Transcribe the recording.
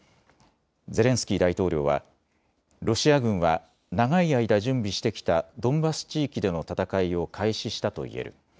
ゼレンスキー大統領はロシア軍は長い間準備してきたドンバス地域での戦いを開始したと言える。